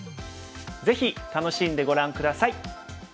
ぜひ楽しんでご覧下さい。